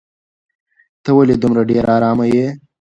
ته ولې دومره ډېره ارامه یې؟